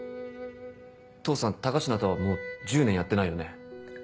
父さん高階とはもう１０年やってないよね？